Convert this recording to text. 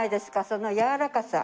そのやわらかさ。